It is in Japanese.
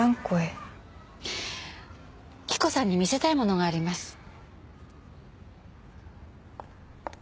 着子さんに見せたいものがあります。